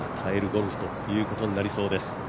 ゴルフという感じになりそうです。